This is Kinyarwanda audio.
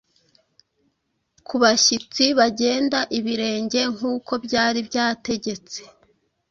Kubashyitsi bagenda ibirenge nkuko byari byategetse